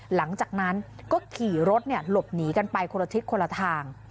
หลังจากนั้นก็ขี่รถหลบหนีกันไปคนละทิศคนละทาง